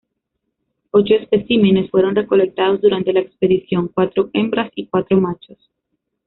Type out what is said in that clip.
Ocho especímenes fueron recolectados durante la expedición, cuatro hembras y cuatro machos.